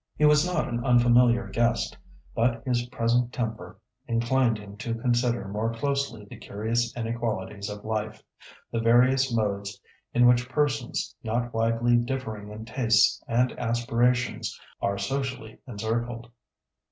He was not an unfamiliar guest, but his present temper inclined him to consider more closely the curious inequalities of life—the various modes in which persons, not widely differing in tastes and aspirations, are socially encircled.